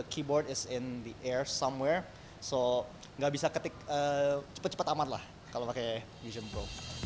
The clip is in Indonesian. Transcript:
keyboard is in the air summer so nggak bisa ketik cepat cepat aman lah kalau pakai vision pro